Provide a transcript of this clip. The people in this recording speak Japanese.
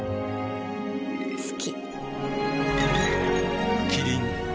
好き。